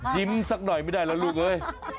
ยิ้มสักหน่อยไม่ได้ละลูกเอ๊ย